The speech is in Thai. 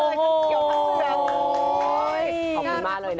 ทั้งเกี่ยวกับทั้งสอง